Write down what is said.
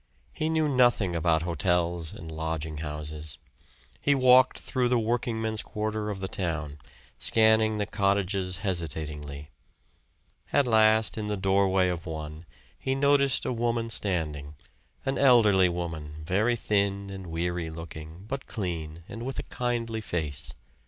He knew nothing about hotels and lodging houses he walked through the workingmen's quarter of the town, scanning the cottages hesitatingly. At last in the doorway of one he noticed a woman standing, an elderly woman, very thin and weary looking, but clean, and with a kindly face.